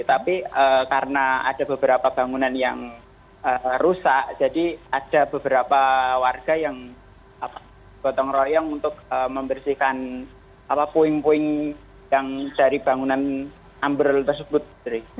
tapi karena ada beberapa bangunan yang rusak jadi ada beberapa warga yang gotong royong untuk membersihkan puing puing yang dari bangunan ambrol tersebut